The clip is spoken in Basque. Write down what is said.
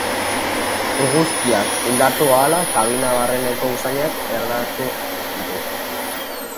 Eguzkiak, indartu ahala, kabina barreneko usainak ernatu ditu.